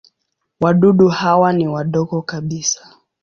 Wadudu hawa ni wadogo kabisa.